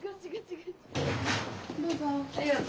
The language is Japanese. どうぞ。